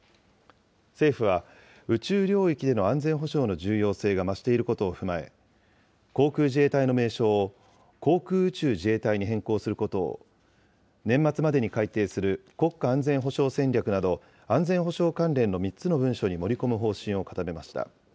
政府は宇宙領域での安全保障の重要性が増していることを踏まえ、航空自衛隊の名称を航空宇宙自衛隊に変更することを、年末までに改定する国家安全保障戦略など、安全保障関連の３つの文書に盛り込む方針を固めました。